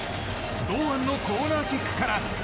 堂安のコーナーキックから。